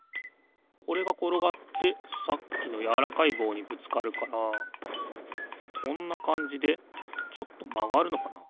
これがころがってさっきのやわらかいぼうにぶつかるからこんなかんじでちょっとまがるのかな。